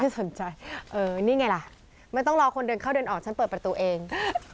สนใจเออนี่ไงล่ะไม่ต้องรอคนเดินเข้าเดินออกฉันเปิดประตูเอง